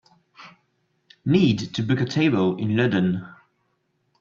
need to book a table in Ludden